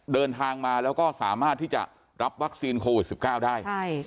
เดินทางมาแล้วก็สามารถที่จะรับวัคซีนโควิด๑๙ได้